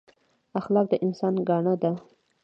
اخلاق د انسان ګاڼه ده